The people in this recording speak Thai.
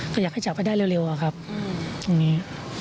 ก็อยากให้จับให้ได้เร็วอะครับตรงนี้